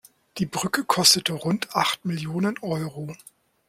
Die Brücke kostete rund acht Millionen Euro.